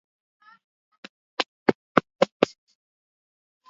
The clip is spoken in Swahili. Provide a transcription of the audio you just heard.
Ndama huweza kuhara kwa kunywa maziwa kupitiliza